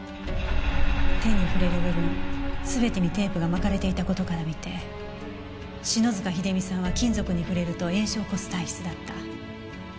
手に触れる部分全てにテープが巻かれていた事から見て篠塚秀実さんは金属に触れると炎症を起こす体質だった。